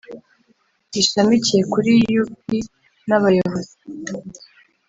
bishamikiye kuri U P n Abayobozi